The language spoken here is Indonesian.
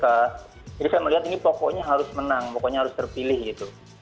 jadi saya melihat ini pokoknya harus menang pokoknya harus terpilih gitu